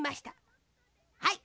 はい。